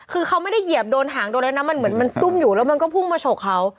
คือเขาไม่ได้เหยียบโดนหางโดนแล้วนะมันเหมือนมันซุ่มอยู่แล้วมันก็พุ่งมาฉกเขา